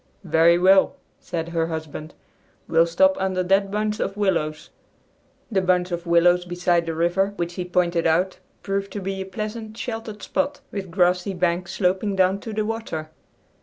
"Very well," said her husband; "we'll stop under that bunch of willows." The bunch of willows beside the river which he pointed out proved to be a pleasant, sheltered spot, with grassy banks sloping down to the water.